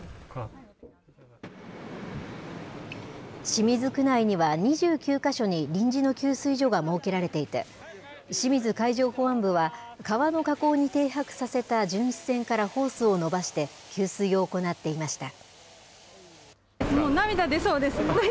清水区内には２９か所に臨時の給水所が設けられていて、清水海上保安部は、川の河口に停泊させた巡視船からホースを延ばして、給水を行っていました。